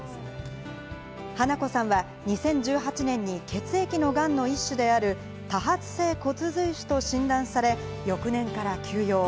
花子さんは２０１８年に血液のがんの一種である、多発性骨髄腫と診断され、翌年から休養。